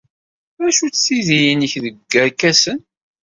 D acu-tt tiddi-nnek deg yerkasen?